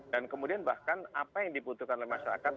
kemudian bahkan apa yang dibutuhkan oleh masyarakat